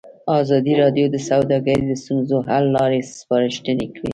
ازادي راډیو د سوداګري د ستونزو حل لارې سپارښتنې کړي.